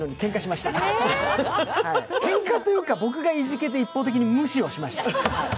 けんかというか、僕がいじけて一方的に無視しました。